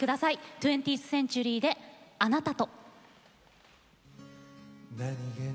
２０ｔｈＣｅｎｔｕｒｙで「あなたと」。